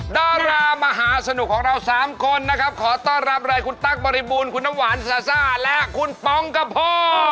ดารามหาสนุกของเราสามคนนะครับขอต้อนรับเลยคุณตั๊กบริบูรณคุณน้ำหวานซาซ่าและคุณป๋องกะพ่อ